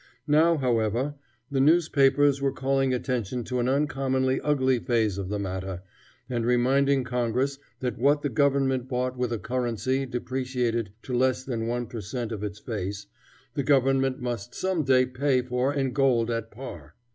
Now, however, the newspapers were calling attention to an uncommonly ugly phase of the matter, and reminding Congress that what the government bought with a currency depreciated to less than one per cent. of its face, the government must some day pay for in gold at par.